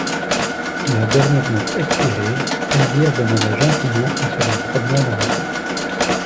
La dernière note expirée, Elvire demanda gentiment à faire une promenade en bateau.